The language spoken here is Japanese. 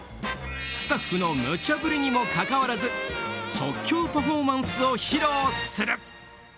スタッフのむちゃ振りにもかかわらず即興パフォーマンスを披露する。